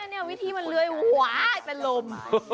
นี่วิธีมันเลื้อยว้ายเป็นลม